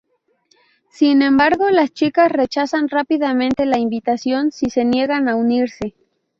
Sin embargo, las chicas rechazan rápidamente la invitación y se niegan a unirse.